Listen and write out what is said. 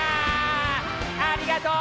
ありがとう！